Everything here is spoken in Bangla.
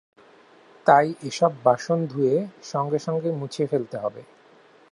তাই এসব বাসন ধুয়ে সঙ্গে সঙ্গে মুছে ফেলতে হবে।